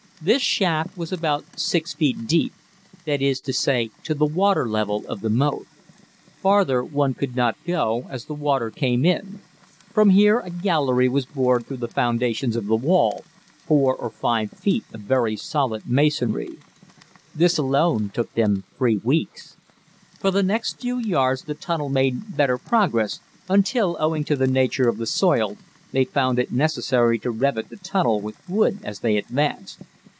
This shaft was about 6 feet deep that is to say, to the water level of the moat. Farther one could not go, as the water came in. From here a gallery was bored through the foundations of the wall 4 or 5 feet of very solid masonry. This alone took them three weeks. For the next few yards the tunnel made better progress until, owing to the nature of the soil, they found it necessary to revet the tunnel with wood as they advanced.